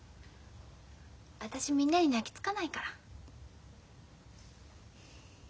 私みんなに泣きつかないから。